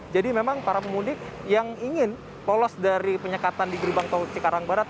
jadi memang para pemudik yang ingin polos dari penyekatan di gerbangto cikarang barat